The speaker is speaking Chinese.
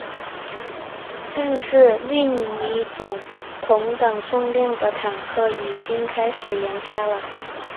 但是另一种同等重量的坦克已经开始研发了。